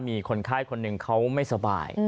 มีคนไข้คนหนึ่งเขาไม่สบาย